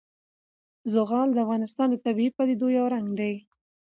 زغال د افغانستان د طبیعي پدیدو یو رنګ دی.